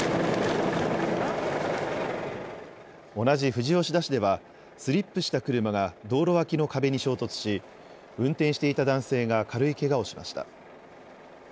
同じ富士吉田市ではスリップした車が道路脇の壁に衝突し運転していた男性が軽いけがをしました。